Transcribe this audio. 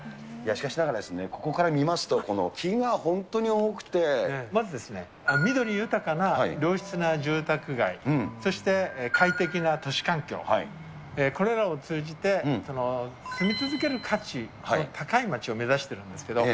しかしながらですね、ここから見ますと、まずですね、緑豊かな良質な住宅街、そして快適な都市環境、これらを通じて住み続ける価値の高い街を目指してるんですけど。